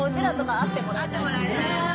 会ってもらえない。